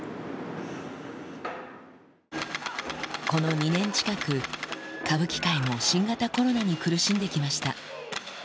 この２年近く、歌舞伎界も新型コロナに苦しんできました。